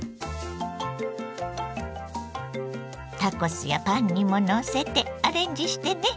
タコスやパンにものせてアレンジしてね。